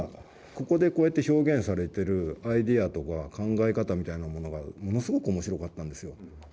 ここでこうやって表現されているアイデアとか考え方みたいなものがものすごく面白かったんですよ。